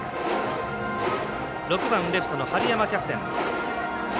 ６番レフトの春山キャプテン。